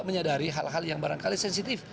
menyadari hal hal yang barangkali sensitif